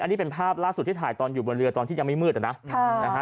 นี่เป็นภาพล่าสุดที่ถ่ายตอนอยู่บนเรือตอนที่ยังไม่มืดนะ